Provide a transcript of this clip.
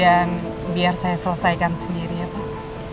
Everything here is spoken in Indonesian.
yang biar saya selesaikan sendiri ya pak